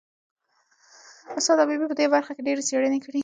استاد حبیبي په دې برخه کې ډېرې څېړنې کړي.